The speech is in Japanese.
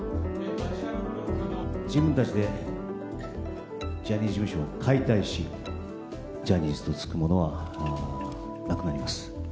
自分たちでジャニーズ事務所を解体し、ジャニーズと付くものはなくなります。